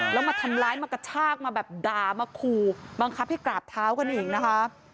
แล้วมาทำร้ายมากระชากมาแบบด่ามาขู่บังคับให้กราบเท้ากันอีกนะคะ